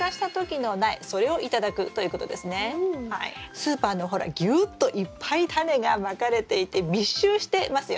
スーパーのほらぎゅっといっぱいタネがまかれていて密集してますよね。